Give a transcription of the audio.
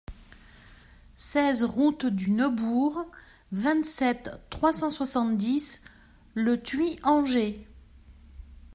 seize route du Neubourg, vingt-sept, trois cent soixante-dix, Le Thuit-Anger